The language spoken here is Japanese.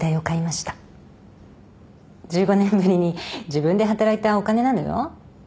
１５年ぶりに自分で働いたお金なのよ。